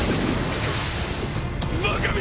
バカめ！